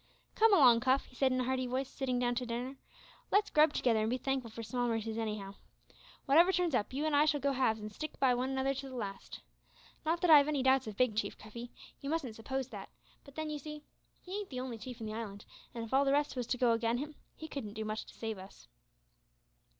"Come along, Cuff," he said in a hearty voice, sitting down to dinner, "let's grub together an' be thankful for small mercies, anyhow. Wotever turns up, you and I shall go halves and stick by one another to the last. Not that I have any doubts of Big Chief, Cuffy; you mustn't suppose that; but then, you see, he ain't the only chief in the island, and if all the rest was to go agin him, he couldn't do much to save us."